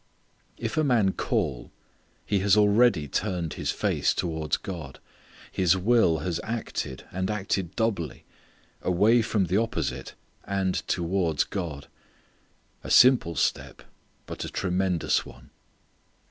If a man call he has already turned his face towards God. His will has acted, and acted doubly; away from the opposite, and towards God, a simple step but a tremendous one.